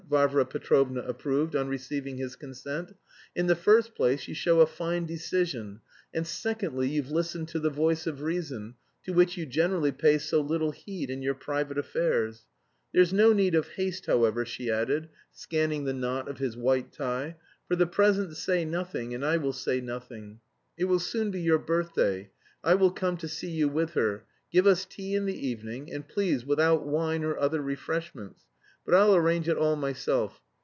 Varvara Petrovna approved, on receiving his consent. "In the first place you show a fine decision, and secondly you've listened to the voice of reason, to which you generally pay so little heed in your private affairs. There's no need of haste, however," she added, scanning the knot of his white tie, "for the present say nothing, and I will say nothing. It will soon be your birthday; I will come to see you with her. Give us tea in the evening, and please without wine or other refreshments, but I'll arrange it all myself.